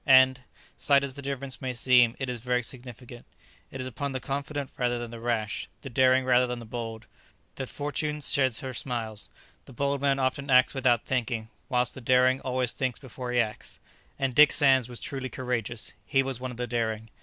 and, slight as the difference may seem, it is very significant. It is upon the confident rather than the rash, the daring rather than the bold, that Fortune sheds her smiles; the bold man often acts without thinking, whilst the daring always thinks before he acts. And Dick Sands was truly courageous; he was one of the daring.